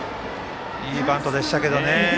いいバントでしたけどね。